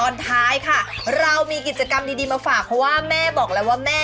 แจกทั้งหมด๑๐รางวัล